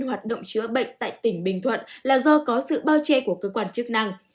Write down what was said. hoạt động chữa bệnh tại tỉnh bình thuận là do có sự bao che của cơ quan chức năng